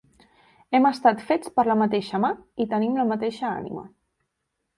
Hem estat fets per la mateixa Mà i tenim la mateixa Ànima.